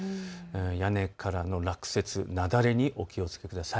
屋根からの落雪、雪崩にお気をつけください。